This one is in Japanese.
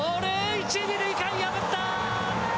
一・二塁間、破った。